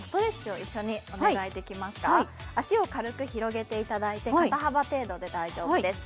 はいはい足を軽く広げていただいて肩幅程度で大丈夫です